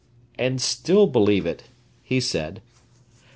"And still believe it," he said.